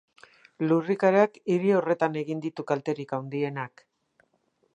Lurrikarak hiri horretan egin ditu kalterik handienak.